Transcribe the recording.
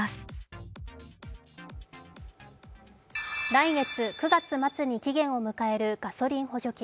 来月９月末に期限を迎えるガソリン補助金。